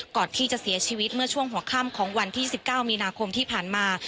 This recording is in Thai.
ก่อนที่จะเสียชีวิตเมื่อช่วงหัวค่ำของวันที่๑๙มีนาคมที่ผ่านมา